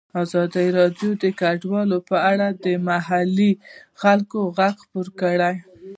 ازادي راډیو د کډوال په اړه د محلي خلکو غږ خپور کړی.